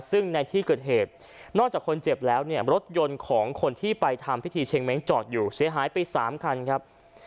ซึ่งในที่เกิดเหตุนอกจากคนเจ็บแล้วเนี่ยรถยนต์ของคนที่ไปทำพิธีเชงเม้งจอดอยู่เสียหายไป๓คันครับ